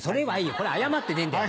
これ謝ってねえんだよ。